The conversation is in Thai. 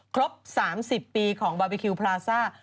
ครบ๓๐ปีของบาร์บีคิวพลาซ่า